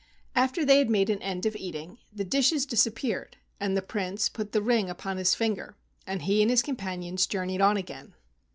After they had made an end of eating, the dishes disappeared, and the Prince put the ring upon his finger and he and his companions journeyed on again.